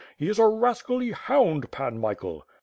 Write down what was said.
He is a rascally hound. Pan Michael."